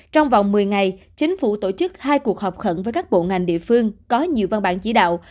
trong vòng một mươi ngày chính phủ tổ chức hai cuộc họp khẩn với các bộ ngành địa phương có nhiều văn bản chỉ đạo